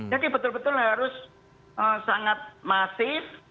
jadi betul betul harus sangat masif